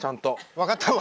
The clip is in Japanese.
分かったわ。